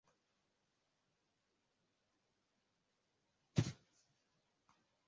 Watu wachoyo walifukuzwa mkutanoni